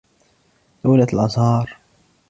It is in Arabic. ذبلت الأزهار.